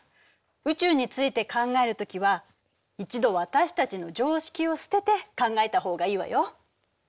宇宙について考えるときは一度私たちの常識を捨てて考えた方がいいわよ。